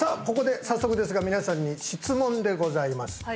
ここで早速ですが皆さんに質問でございます